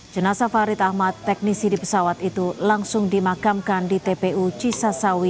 jenasa farid ahmad teknisi di pesawat itu langsung dimakamkan di tpu cisasawi